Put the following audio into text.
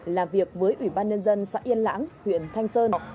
làm việc với ủy ban nhân dân xã yên lãng huyện thanh sơn